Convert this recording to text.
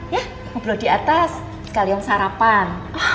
ya ngobrol di atas sekalian sarapan